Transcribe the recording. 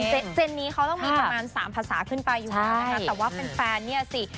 เจนนี้เขาต้องมีประมาณสามภาษาขึ้นไปอยู่แล้วนะคะแต่ว่าแฟนเนี่ยสิ